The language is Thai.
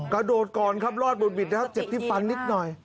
ประโดดก่อนครับรอดบนบิดเจ็บที่ฟันนิดหน่อย